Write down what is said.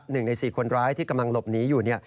หนึ่งใน๔คนร้ายที่กำลังหลบหนีอยู่